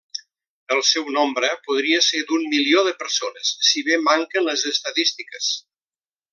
El seu nombre podria ser d'un milió de persones si bé manquen les estadístiques.